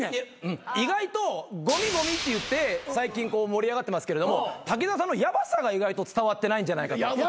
意外とごみごみ言って最近盛り上がってますけれども滝沢さんのヤバさが意外と伝わってないんじゃないかと。